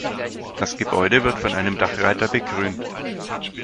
Das Gebäude wird von einem Dachreiter bekrönt.